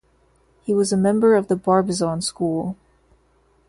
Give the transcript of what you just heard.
He was a member of the Barbizon School.